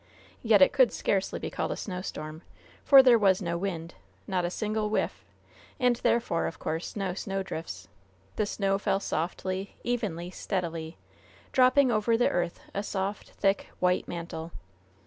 Yet it could scarcely be called a snowstorm, for there was no wind, not a single whiff, and therefore, of course, no snowdrifts. The snow fell slowly, evenly, steadily, dropping over the earth a soft, thick, white mantle.